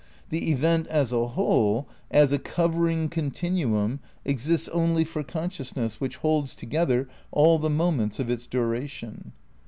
The event as a whole, as a covering continuum, exists only for consciousness which holds together all the moments of its duration.